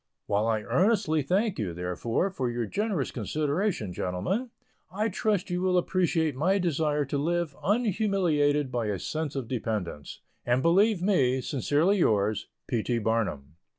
While I earnestly, thank you, therefore, for your generous consideration, gentlemen, I trust you will appreciate my desire to live unhumiliated by a sense of dependence; and believe me, sincerely yours, P. T. BARNUM.